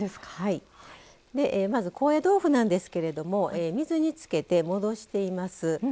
まず、高野豆腐なんですけれども水につけて戻しています。